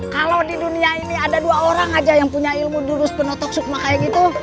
kalau di dunia ini ada dua orang aja yang punya ilmu jurus penotok sukmateh gitu